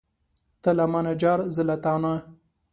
ته له مانه جار، زه له تانه.